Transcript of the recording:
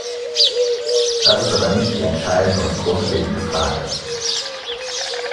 Das ist aber nicht die entscheidende und grundlegende Frage.